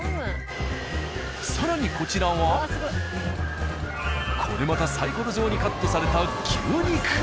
更にこちらはこれまたサイコロ状にカットされた牛肉。